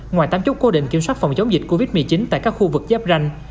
ngoài tám chốt cố định kiểm soát phòng chống dịch covid một mươi chín tại các khu vực giáp ranh